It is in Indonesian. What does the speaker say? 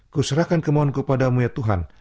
kuserahkan kemohonanku pada mu ya tuhan